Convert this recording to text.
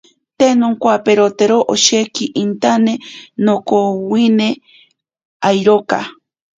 Te nonkowaperote osheki, intane nokovwime awiroka.